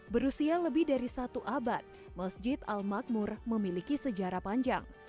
berusia lebih dari satu abad masjid al makmur memiliki sejarah panjang